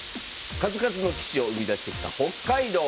数々の棋士を生み出してきた北海道。